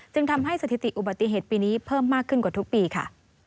จึงทำให้สถิติอุบัติเหตุปีนี้เพิ่มมากขึ้นกว่าทุกปีค่ะ